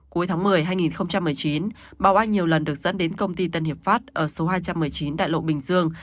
cuối tháng một mươi hai nghìn một mươi chín báo anh nhiều lần được dẫn đến công ty tân hiệp pháp ở số hai trăm một mươi chín đại lộ bình dương